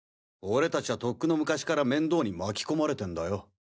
俺たちゃとっくの昔から面倒に巻き込まれてんだよ。